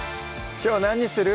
きょう何にする？